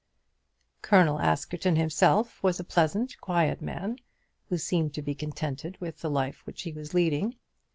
Colonel Askerton himself was a pleasant, quiet man, who seemed to be contented with the life which he was leading.